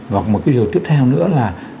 và một cái điều tiếp theo nữa là